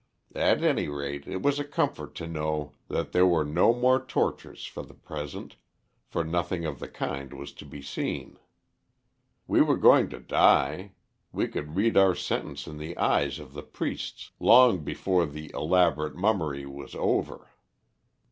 At any rate, it was a comfort to know that there were no more tortures for the present, for nothing of the kind was to be seen. We were going to die; we could read our sentence in the eyes of the priests long before the elaborate mummery was over.